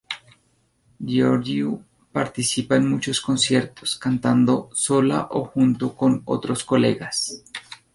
Gheorghiu participa en muchos conciertos, cantando sola o junto con otros colegas.